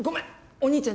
お兄ちゃん